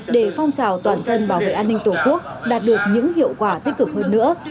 để phong trào toàn dân bảo vệ an ninh tổ quốc đạt được những hiệu quả tích cực hơn nữa